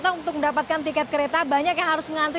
atau untuk mendapatkan tiket kereta banyak yang harus mengantri